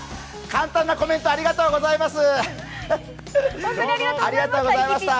簡単なコメント、ありがとうございます。